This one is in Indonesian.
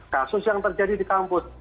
kasus yang terjadi di kampus